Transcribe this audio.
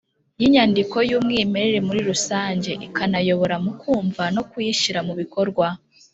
y'inyandiko y'umwimerere muri rusange ikanayobora mu kumva no kuyishyira mu bikorwa